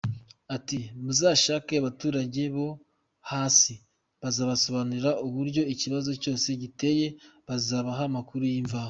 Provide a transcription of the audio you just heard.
Ati “Muzashake abaturage bo hasi bazabasobanurira uburyo ikibazo cyose giteye bazabaha amakuru y’imvaho”.